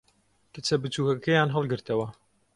کچە بچووکەکەیان ھەڵگرتەوە.